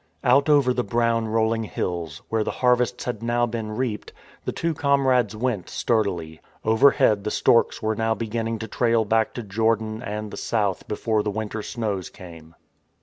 Out over the brown, rolling hills, where the harvests had now been reaped, the two comrades went sturdily. Overhead the storks were now beginning to trail back to Jordan and the South before the winter snows came.